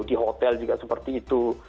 di hotel juga seperti itu